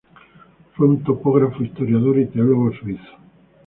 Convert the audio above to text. Fue un topógrafo, historiador y teólogo suizo.